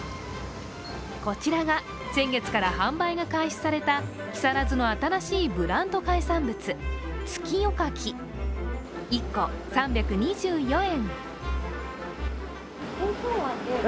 こちらが、先月から販売が開始された木更津の新しいブランド海産物、月夜牡蠣、１個３２４円。